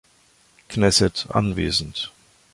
Knesset anwesend.